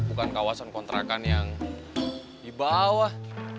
bukan kawasan kontrakan yang di bawah